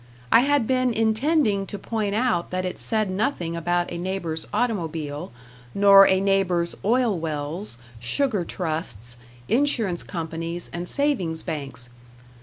I had been intending to point out that it said nothing about a neighbor's automobile, nor a neighbor's oil wells, sugar trusts, insurance companies and savings banks.